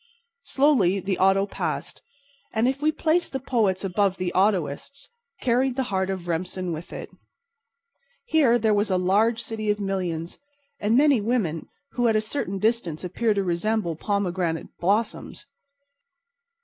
Slowly the auto passed, and, if we place the poets above the autoists, carried the heart of Remsen with it. Here was a large city of millions, and many women who at a certain distance appear to resemble pomegranate blossoms.